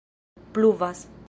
pluvas